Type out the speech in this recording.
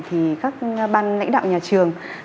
thì các ban lãnh đạo nhà trường